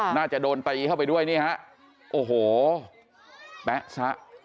น่าจะโดนตีเข้าไปด้วยนี่ฮะโอ้โหแป๊ะซะ